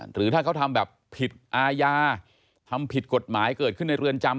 หรือถ้าเขาทำแบบผิดอาญาทำผิดกฎหมายเกิดขึ้นในเรือนจำ